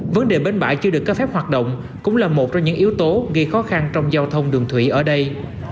vấn đề bến bãi chưa được cấp phép hoạt động cũng là một trong những yếu tố gây khó khăn trong giao thông đường thủy ở đây